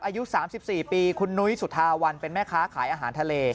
อายุ๓๔ปีคุณนุ้ยสุธาวันเป็นแม่ค้าขายอาหารทะเล